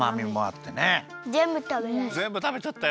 ぜんぶたべちゃった！